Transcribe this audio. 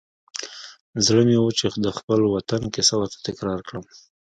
زړه مې و چې د خپل وطن کیسه ورته تکرار کړم.